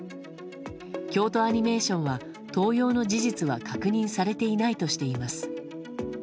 京都アニメーションは盗用の事実は確認されていないとしています。